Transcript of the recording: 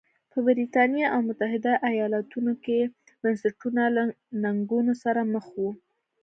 په برېټانیا او متحده ایالتونو کې بنسټونه له ننګونو سره مخ وو.